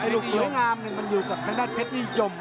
ลูกสวยงามมันอยู่กับทางด้านเพชรนิยม